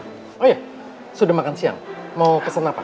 oh iya sudah makan siang mau pesan apa